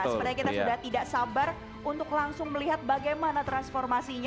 sepertinya kita sudah tidak sabar untuk langsung melihat bagaimana transformasinya